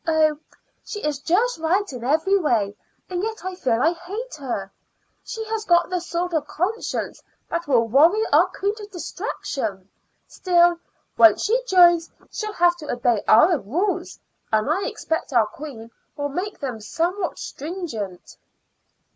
Oh, she is just right in every way, and yet I feel that I hate her. She has got the sort of conscience that will worry our queen to distraction. Still, once she joins she'll have to obey our rules, and I expect our queen will make them somewhat stringent."